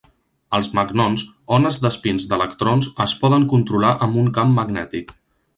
Els magnons, ones d'espins d'electrons, es poden controlar amb un camp magnètic.